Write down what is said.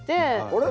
あれ？